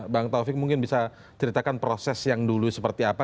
bang taufik mungkin bisa ceritakan proses yang dulu seperti apa